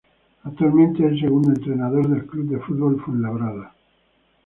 Actualmente es segundo entrenador del Club de Fútbol Fuenlabrada.